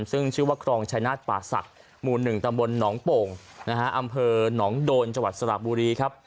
ซึ่งชื่อว่าครองชายนาฏปสักหมู่๑ตศนโป่งอำเภอหนองโดนจสระบุรีครับ